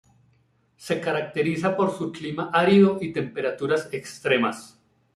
Se caracteriza por su clima árido y temperaturas extremas.